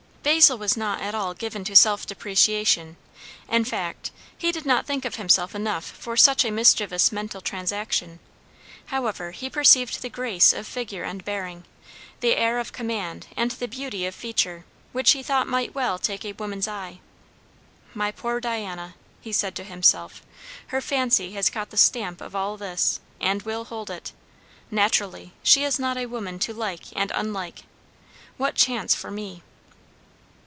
Basil was not at all given to self depreciation; in fact, he did not think of himself enough for such a mischievous mental transaction; however, he perceived the grace of figure and bearing, the air of command and the beauty of feature, which he thought might well take a woman's eye. "My poor Diana!" he said to himself; "her fancy has caught the stamp of all this and will hold it. Naturally. She is not a woman to like and unlike. What chance for me!"